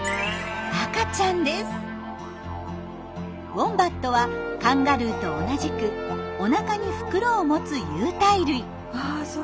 ウォンバットはカンガルーと同じくおなかに袋を持つ有袋類。